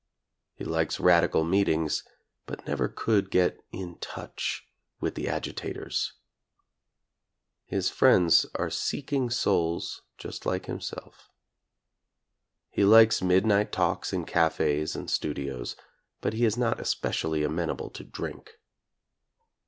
He likes radical meetings, but never could get in touch with the agitators. His friends are seeking souls just like himself. He likes mid night talks in cafes and studios, but he is not es pecially amenable to drink.